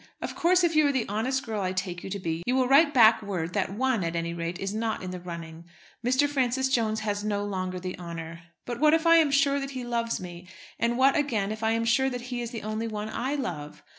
Of course, if you are the honest girl I take you to be, you will write back word that one, at any rate, is not in the running. Mr. Francis Jones has no longer the honour. But what if I am sure that he loves me; and what, again, if I am sure that he is the only one I love?